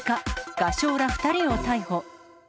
画商ら２人を逮捕。